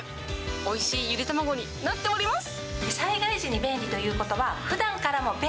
おいしいゆで卵になっております。